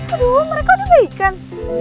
aduh mereka udah baikan